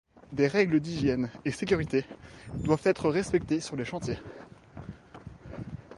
Des règles d'hygiène et sécurité doivent être respectées sur les chantiers.